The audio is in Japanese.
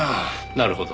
なるほど。